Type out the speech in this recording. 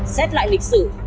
xét lại lịch sử